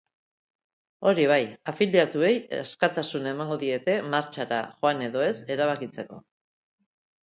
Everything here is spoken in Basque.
Hori bai, afiliatuei askatasuna emango diete martxara joan edo ez erabakitzeko.